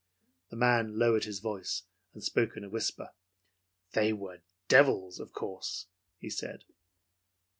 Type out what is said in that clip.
The man lowered his voice, and spoke in a whisper. "They were devils, of course," he said.